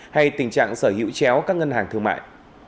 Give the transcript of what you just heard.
hay tình trạng sở hữu chéo các ngân hàng thương mại